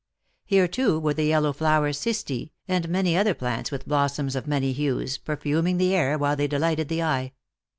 Here, too, were the yellow flow ered cisti, and many other plants with blossoms of many hues, perfuming the air while they delighted the eye.